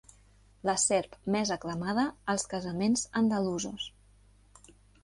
La serp més aclamada als casaments andalusos.